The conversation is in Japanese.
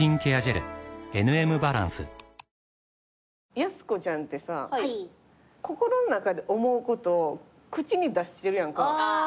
やす子ちゃんってさ心の中で思うことを口に出してるやんか。